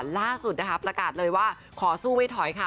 ล่าสุดนะคะประกาศเลยว่าขอสู้ไม่ถอยค่ะ